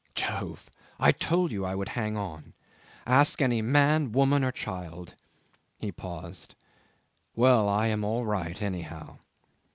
Jove! I told you I would hang on. Ask any man, woman, or child ..." He paused. "Well, I am all right anyhow."